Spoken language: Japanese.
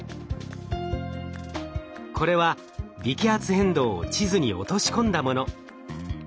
これは微気圧変動を地図に落とし込んだもの。